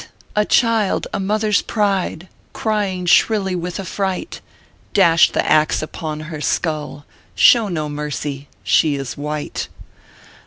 a child, a mother s pride, Crying shrilly with affright! Dash the axe upon her skull, Show no mercy she is white.